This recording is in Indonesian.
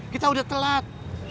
kita udah telat